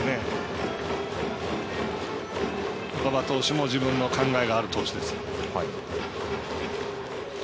馬場投手も自分の考えがある投手です。